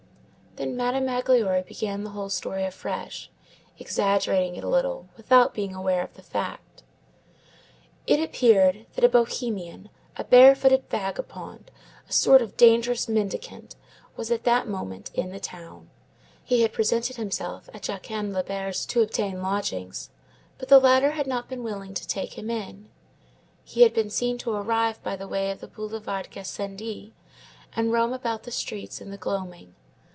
Then Madame Magloire began the whole story afresh, exaggerating it a little without being aware of the fact. It appeared that a Bohemian, a bare footed vagabond, a sort of dangerous mendicant, was at that moment in the town. He had presented himself at Jacquin Labarre's to obtain lodgings, but the latter had not been willing to take him in. He had been seen to arrive by the way of the boulevard Gassendi and roam about the streets in the gloaming.